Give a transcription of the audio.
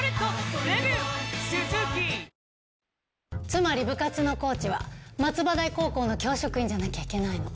つまり部活のコーチは松葉台高校の教職員じゃなきゃいけないの。